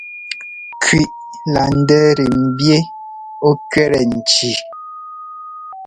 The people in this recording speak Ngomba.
Kẅiʼ laa ndɛ́tɛ mbí ɔ́ cẅɛ́tɛ nki.